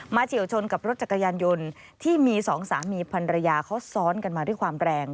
เฉียวชนกับรถจักรยานยนต์ที่มีสองสามีพันรยาเขาซ้อนกันมาด้วยความแรง